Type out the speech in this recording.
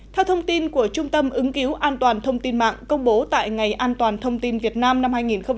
theo thông tin của trung tâm ứng cứu an toàn thông tin mạng công bố tại ngày an toàn thông tin việt nam năm hai nghìn một mươi chín